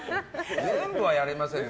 全部はやりません。